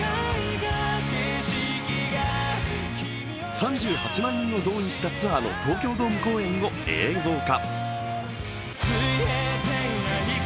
３８万人を動員したツアーの東京ドーム公演を映像化。